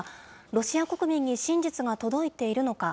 ロシア国民に真実が届いているのか。